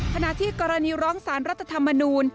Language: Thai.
ขณะที่กรณีร้องสารรัฐธรรมนูล